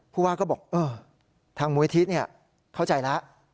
ผู้ว่าก็บอกเออทางมธิสารเข้าใจแล้ว